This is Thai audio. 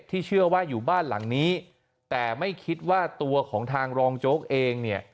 เชื่อว่าอยู่บ้านหลังนี้แต่ไม่คิดว่าตัวของทางรองโจ๊กเองเนี่ย